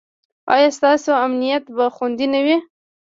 ایا ستاسو امنیت به خوندي نه وي؟